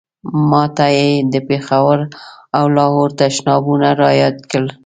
ما ته یې د پېښور او لاهور تشنابونه را یاد کړل.